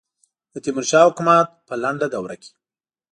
د تیمور شاه حکومت په لنډه دوره کې.